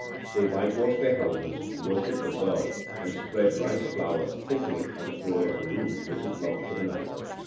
They whitewash their houses, worship the god, and spread rice flour thickly on the floor of a room, which is locked for the night.